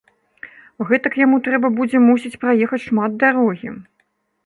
Гэтак яму трэба будзе, мусіць, праехаць шмат дарогі.